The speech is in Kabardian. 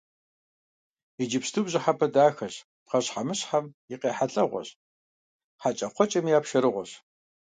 Иджыпсту бжьыхьэпэ дахэщ, пхъэщхьэмыщхьэм и къехьэлӀэгъуэщ, хьэкӀэкхъуэкӀэми я пшэрыгъуэщ.